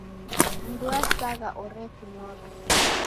Mndu wasagha orekunyora.